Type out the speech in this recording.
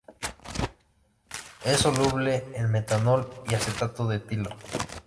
Es soluble en metanol y acetato de etilo.